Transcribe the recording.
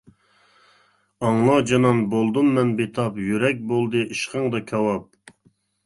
ئاڭلا جانان بولدۇم مەن بىتاپ، يۈرەك بولدى ئىشقىڭدا كاۋاپ.